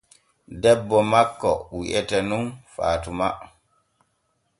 Debbo makko wi'etee nun fatuma.